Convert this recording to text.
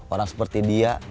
orang seperti dia